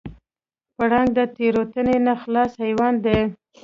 پړانګ د تېروتنې نه خلاص حیوان دی.